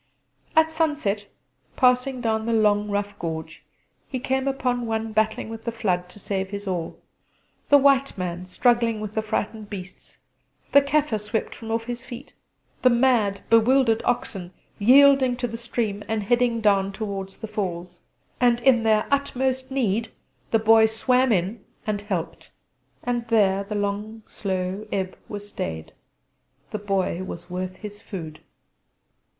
At sunset, passing down the long rough gorge, he came upon one battling with the flood to save his all the white man struggling with the frightened beasts; the kaffir swept from off his feet; the mad bewildered oxen yielding to the stream and heading downwards towards the falls and in their utmost need the Boy swam in and helped! And there the long slow ebb was stayed: the Boy was worth his food.